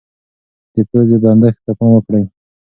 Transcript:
د پوزې بندښت ته پام وکړئ.